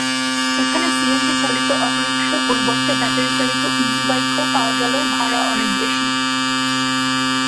এখানে সিএনজিচালিত অটোরিকশার পরিবর্তে ব্যাটারিচালিত ইজিবাইক পাওয়া গেলেও ভাড়া অনেক বেশি।